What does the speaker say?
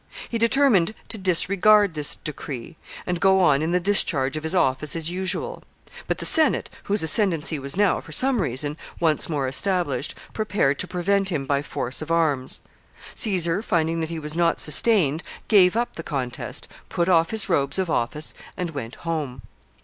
He determined to disregard this decree, and go on in the discharge of his office as usual. But the Senate, whose ascendency was now, for some reason, once more established, prepared to prevent him by force of arms. Caesar, finding that he was not sustained, gave up the contest, put off his robes of office, and went home.